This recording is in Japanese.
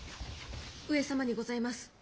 ・上様にございます。